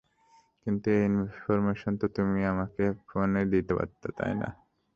কিন্তু এই ইনফরমেশন তো তুমি আমাকে ফোনেই দিতে পারতে, তাই না?